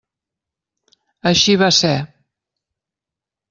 Així va ser.